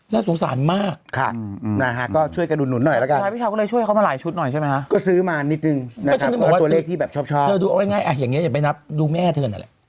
เธอมายก็ว่าง่ายอย่างนี้อย่าไปนับดูแม่เถิดหน่อย